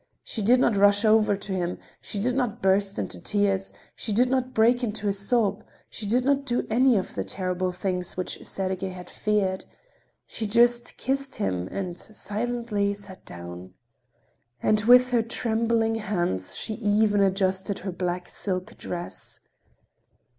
She did not rush over to him; she did not burst into tears; she did not break into a sob; she did not do any of the terrible things which Sergey had feared. She just kissed him and silently sat down. And with her trembling hands she even adjusted her black silk dress.